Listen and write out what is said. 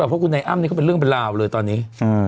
เพราะคุณนายอ้ำนี่ก็เป็นเรื่องเป็นราวเลยตอนนี้